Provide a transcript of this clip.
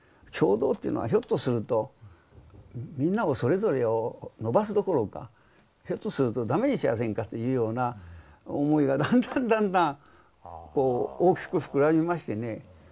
共同っていうのはひょっとするとみんなをそれぞれを伸ばすどころかひょっとするとダメにしやせんかというような思いがだんだんだんだん大きく膨らみましてね